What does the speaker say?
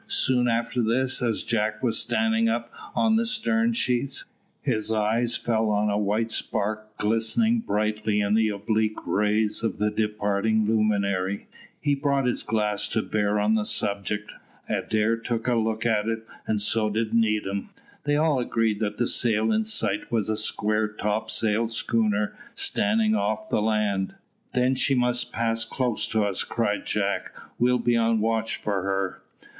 Soon after this, as Jack was standing up on the stern sheets, his eye fell on a white spark glistening brightly in the oblique rays of the departing luminary. He brought his glass to bear on the subject. Adair took a look at it, and so did Needham. They all agreed that the sail in sight was a square topsail schooner standing off the land. "Then she must pass close to us," cried Jack. "We'll be on the watch for her."